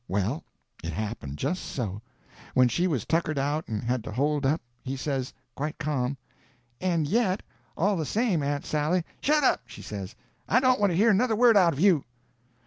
Well, it happened just so. When she was tuckered out and had to hold up, he says, quite ca'm: "And yet, all the same, Aunt Sally—" "Shet up!" she says, "I don't want to hear another word out of you."